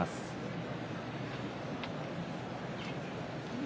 拍手